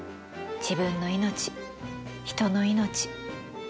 自分の命ひとの命。